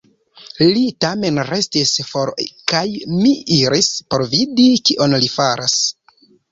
Li tamen restis for kaj mi iris por vidi, kion li faras.